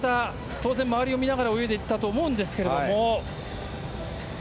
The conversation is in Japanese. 当然、周りを見ながら泳いでいったと思うんですけれども。